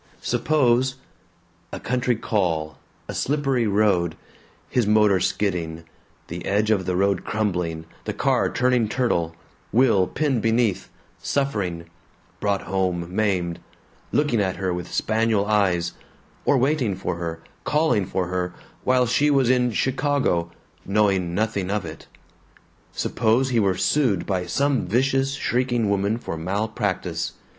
Suppose A country call, a slippery road, his motor skidding, the edge of the road crumbling, the car turning turtle, Will pinned beneath, suffering, brought home maimed, looking at her with spaniel eyes or waiting for her, calling for her, while she was in Chicago, knowing nothing of it. Suppose he were sued by some vicious shrieking woman for malpractice.